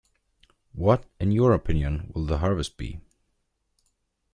What, in your opinion, will the harvest be?